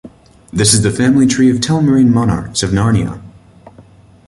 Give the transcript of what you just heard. This is the family tree of Telmarine monarchs of Narnia.